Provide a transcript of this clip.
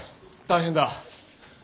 大変だ。